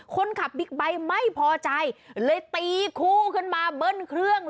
คนขับบิ๊กไบท์ไม่พอใจเลยตีคู่ขึ้นมาเบิ้ลเครื่อง